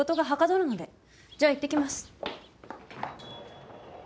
じゃあいってきます。